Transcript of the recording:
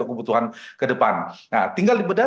kebutuhan ke depan nah tinggal di beda